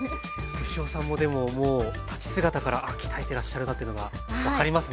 牛尾さんもでももう立ち姿からあっ鍛えてらっしゃるなというのが分かりますね。